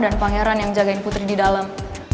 dan pangeran yang jagain putri di dalam